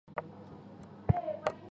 这次好贵